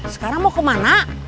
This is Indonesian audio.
sekarang mau kemana